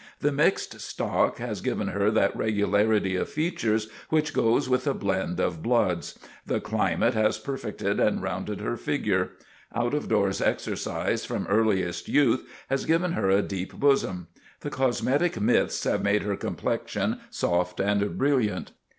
The mixed stock has given her that regularity of features which goes with a blend of bloods; the climate has perfected and rounded her figure; out of doors exercise from earliest youth has given her a deep bosom; the cosmetic mists have made her complexion soft and brilliant.